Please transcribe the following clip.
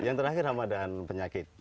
yang terakhir hamadan penyakit